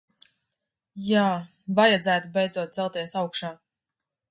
Jā, vajadzētu beidzot celties augšā.